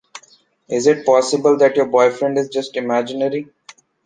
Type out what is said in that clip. Is it possible that your boyfriend is just imaginary?